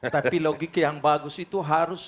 tapi logika yang bagus itu harus